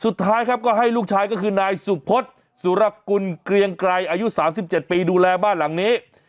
สุดท้ายครับก็ให้ลูกชายก็คือนายสุพศสุรกุลเกรียงไกรอายุ๓๗ปีดูแลบ้านหลังนี้